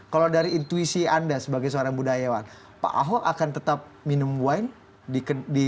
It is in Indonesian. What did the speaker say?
kalau dari intuisi anda sebagai seorang budayawan pak ahok akan tetap minum wine di